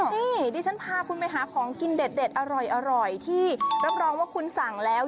นี่ดิฉันพาคุณไปหาของกินเด็ดอร่อยที่รับรองว่าคุณสั่งแล้ว